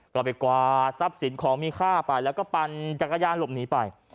ก็ไปกวาดทรัพย์สินของมีค่าไปแล้วก็ปั่นจักรยานหลบหนีไป